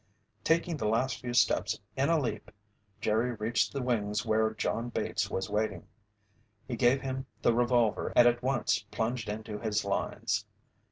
Taking the last few steps in a leap, Jerry reached the wings where John Bates was waiting. He gave him the revolver and at once plunged into his lines.